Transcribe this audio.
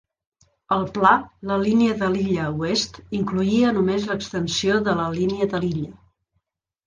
Al pla, la Línia de l'Illa Oest incloïa només l'extensió de la Línia de l'Illa.